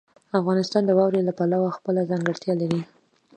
افغانستان د واورو له پلوه خپله ځانګړتیا لري.